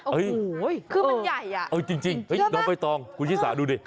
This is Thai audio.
โอ้โหคือมันใหญ่อ่ะใช่ไหมคุณธิรษาดูดิ